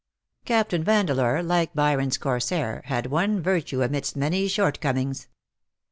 Captain Vandeleur, like Byron^s Corsair, had ons virtue amidst many shortcomings.